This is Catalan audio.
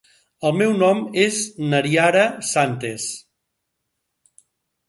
El meu nom és Naiara Santes.